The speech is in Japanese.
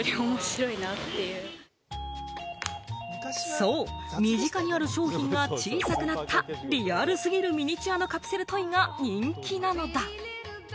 そう、身近にある商品が小さくなったリアル過ぎるミニチュアのカプセルトイが人気なのだ。